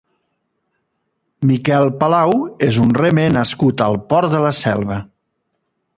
Miguel Palau és un remer nascut al Port de la Selva.